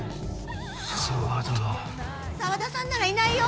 沢田さんならいないよ。